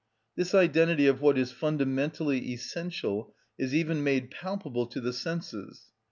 This identity of what is fundamentally essential is even made palpable to the senses.